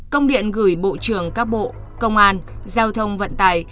công điện gửi bộ trưởng các bộ công an giao thông vận tài